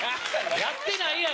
やってないやろ。